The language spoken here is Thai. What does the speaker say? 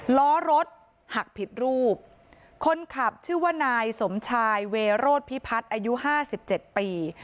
ล้อรถหักผิดรูปคนขับชื่อว่านายสมชายเวโรธพิพัฒน์อายุห้าสิบเจ็ดปี